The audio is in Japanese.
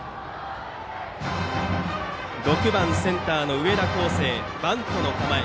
６番センター、上田耕晟はバントの構え。